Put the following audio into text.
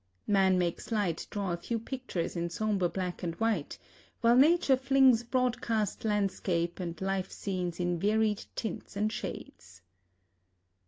Man makes light draw a few pictures in sombre black and white, while nature flings broadcast landscape and life scenes in varied tints and shades.